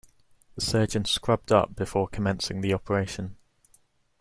The surgeon scrubbed up before commencing the operation.